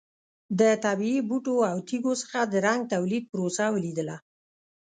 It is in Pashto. د طبیعي بوټو او تېږو څخه د رنګ تولید پروسه ولیدله.